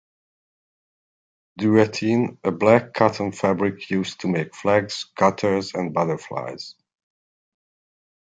Duvetyne - A black, cotton fabric used to make flags, cutters and butterflies.